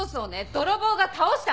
泥棒が倒したの！